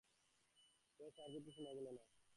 ব্যস, আর কিছু শোনা গেল না।